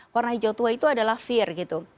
warna hijau tua itu adalah fear gitu